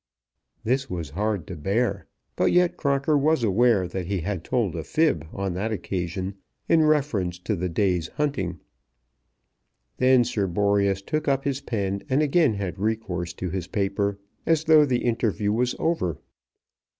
This was hard to bear; but yet Crocker was aware that he had told a fib on that occasion in reference to the day's hunting. Then Sir Boreas took up his pen and again had recourse to his paper, as though the interview was over.